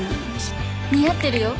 「似合ってるよ！